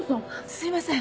すいません。